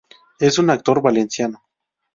Es un actor valenciano.